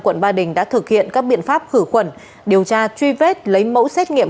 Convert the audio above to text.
quận ba đình đã thực hiện các biện pháp khử khuẩn điều tra truy vết lấy mẫu xét nghiệm